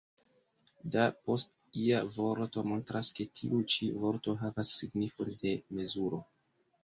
« Da » post ia vorto montras, ke tiu ĉi vorto havas signifon de mezuro.